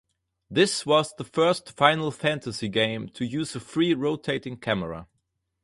This was the first "Final Fantasy" game to use a free rotating camera.